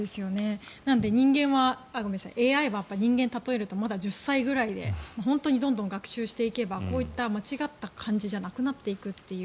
ＡＩは人間に例えるとまだ１０歳ぐらいで本当にどんどん学習していけばこういった間違った感じじゃなくなっていくという。